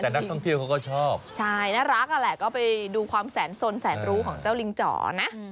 แต่นักท่องเที่ยวเขาก็ชอบใช่น่ารักอ่ะแหละก็ไปดูความแสนสนแสนรู้ของเจ้าลิงจ๋อนะ